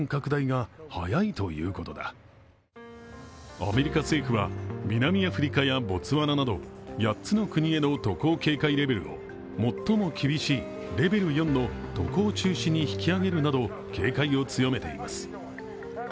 アメリカ政府は、南アフリカやボツワナなど８つの国への渡航警戒レベルを最も厳しいレベル４の渡航中止に引き上げるなど警戒を強めています。